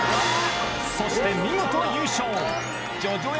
そして見事優勝、叙々苑